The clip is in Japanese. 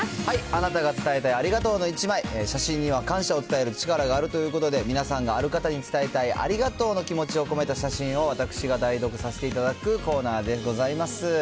あなたが伝えたいありがとうの１枚、写真には感謝を伝える力があるということで、皆さんがある方に伝えたいありがとうの気持ちを込めた写真を私が代読させていただくコーナーでございます。